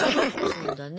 「そうだね。